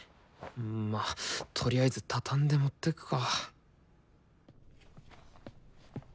まあとりあえず畳んで持ってくか。